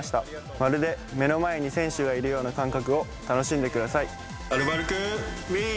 まるで目の前に選手がいるような感覚を楽しんでください。